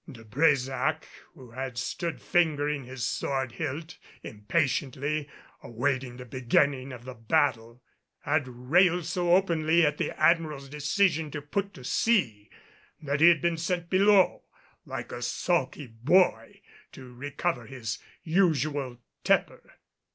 De Brésac, who had stood fingering his sword hilt impatiently, awaiting the beginning of the battle, had railed so openly at the Admiral's decision to put to sea, that he had been sent below, like a sulky boy, to recover his usual tepor.